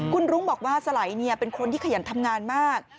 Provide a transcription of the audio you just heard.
คุณรุ้งบอกว่าสไหลเป็นคนที่ขยันทำงานมาก